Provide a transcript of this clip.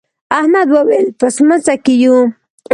احمد وويل: په سمڅه کې یو.